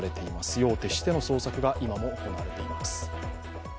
夜を徹しての捜索が今も行われています。